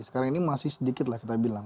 sekarang ini masih sedikit lah kita bilang